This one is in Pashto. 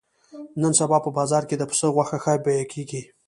نن سبا په بازار کې د پسه غوښه ښه بیه کېږي.